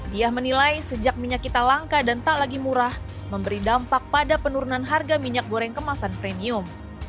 diah menilai sejak minyak kita langka dan tak lagi murah memberi dampak pada penurunan harga minyak goreng kemasan premium